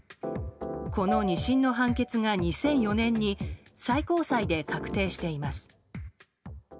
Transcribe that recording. この２審の判決が２００４年に最高裁で確定しています。